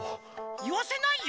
いわせないよ。